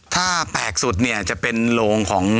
ถ้าแปลกสุดเนี่ยจะเป็นโรงของ